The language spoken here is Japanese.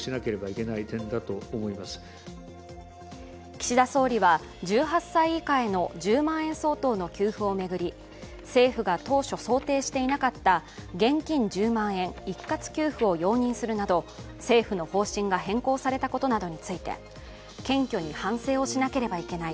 岸田総理は１８歳以下への１０万円相当の給付を巡り政府が当初想定していなかった現金１０万円一括給付を容認するなど政府の方針が変更されたことなどについて謙虚に反省をしなければいけない、